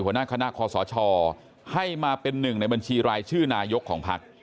หัวหน้าคณะคอสชให้มาเป็นหนึ่งในบัญชีรายชื่อนายกของพัก